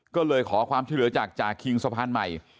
ก็เลยขอความช่วยเหลือจากจ่าคิงสะพานใหม่